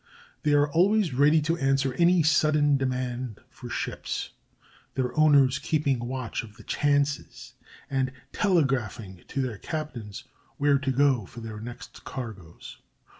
They are always ready to answer any sudden demand for ships, their owners keeping watch of the chances and telegraphing to their captains where to go for their next cargoes.